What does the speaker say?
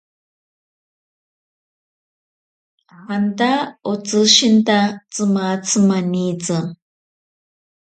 Janta otsishikinta tsimatzi manitsi.